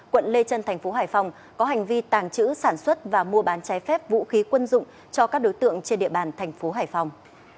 quận lê trân tp hải phòng có hành vi tàng trữ sản xuất và mua bán trái phép vũ khí quân dụng cho các đối tượng trên địa bàn tp hải phòng